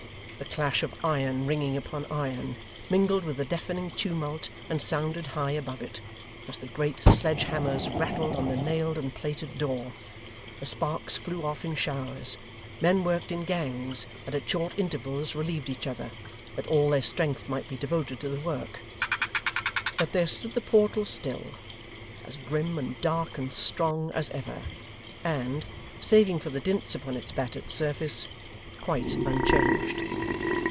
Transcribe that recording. The clash of iron ringing upon iron, mingled with the deafening tumult and sounded high above it, as the great sledge hammers rattled on the nailed and plated door: the sparks flew off in showers; men worked in gangs, and at short intervals relieved each other, that all their strength might be devoted to the work; but there stood the portal still, as grim and dark and strong as ever, and, saving for the dints upon its battered surface, quite unchanged.